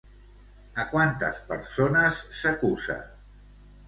A quantes persones s'acusa?